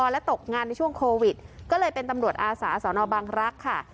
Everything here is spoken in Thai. และตกงานในช่วงโควิดก็เลยเป็นตำรวจอาสาสอนอบังรักษ์ค่ะ